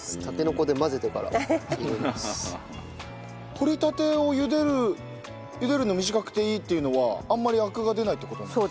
掘りたてをゆでるの短くていいっていうのはあんまりアクが出ないって事なんですか？